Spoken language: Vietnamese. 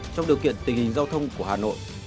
trong điều kiện tình hình giao thông của hà nội